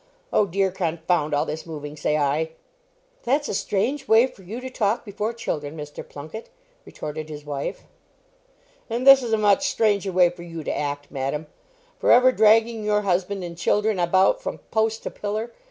Oh, dear! confound all this moving, say I." "That's a strange way for you to talk before children, Mr. Plunket," retorted his wife. "And this is a much stranger way for you to act, madam; for ever dragging your husband and children about from post to pillar.